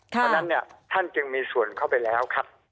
เพราะฉะนั้นเนี่ยท่านจึงมีส่วนเข้าไปแล้วครับ